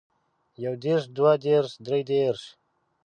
يو دېرش دوه دېرش درې دېرش